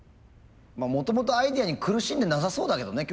もともとアイデアに苦しんでなさそうだけどね